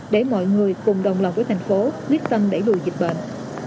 để mọi người cùng đồng lòng với thành phố quyết tâm đẩy lùi dịch bệnh